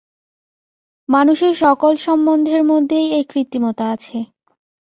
মানুষের সকল সম্বন্ধের মধ্যেই এই কৃত্রিমতা আছে।